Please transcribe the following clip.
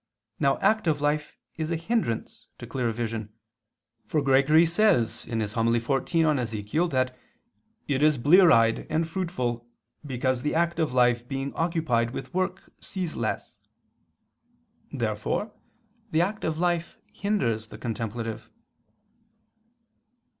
Now active life is a hindrance to clear vision; for Gregory says (Hom. xiv in Ezech.) that it "is blear eyed and fruitful, because the active life, being occupied with work, sees less." Therefore the active life hinders the contemplative.